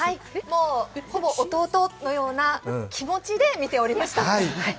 もう、ほぼ弟のような気持ちでみておりました。